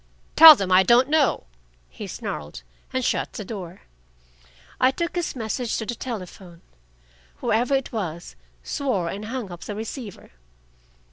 "Tell them I don't know," he snarled, and shut the door. I took his message to the telephone. Whoever it was swore and hung up the receiver.